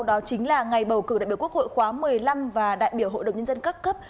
đó chính là ngày bầu cử đại biểu quốc hội khóa một mươi năm và đại biểu hội đồng nhân dân các cấp